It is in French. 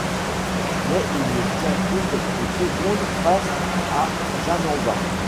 Mais il ne tient que quelques secondes face à Janemba.